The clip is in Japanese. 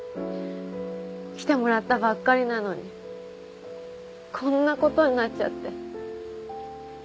来てもらったばっかりなのにこんなことになっちゃって